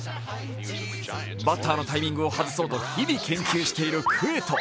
バッターのタイミングを外そうと日々研究しているクエト。